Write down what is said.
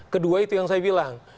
kedua itu yang saya bilang